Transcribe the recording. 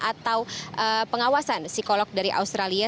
atau pengawasan psikolog dari australia